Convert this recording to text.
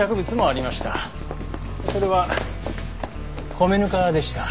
それは米ぬかでした。